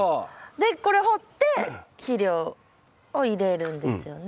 でこれ掘って肥料を入れるんですよね？